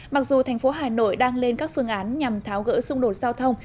mặc dù thành phố hà nội đang lên các phương án nhằm tháo gỡ xung đột giao thông